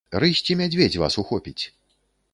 Рысь ці мядзведзь вас ухопіць?